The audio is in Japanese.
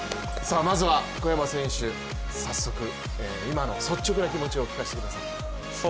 まずは小山選手、早速、今の率直な気持ちをお聞かせください。